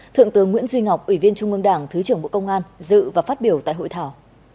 thượng tướng nguyễn duy ngọc ủy viên trung ương đảng thứ trưởng bộ công an dự và phát biểu tại hội thảo